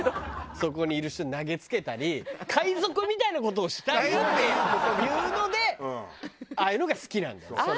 そこにいる人に投げつけたり海賊みたいな事をしたいっていうのでああいうのが好きなの。